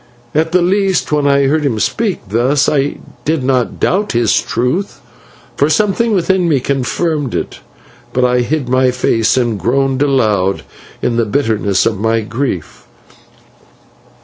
At the least, when I heard him speak thus I did not doubt his truth, for something within me confirmed it, but I hid my face and groaned aloud in the bitterness of my grief.